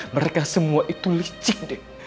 mereka semua itu licik deh